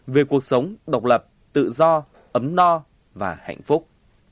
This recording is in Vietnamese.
về cuộc sống độc lập tự do ấm no và hạnh phúc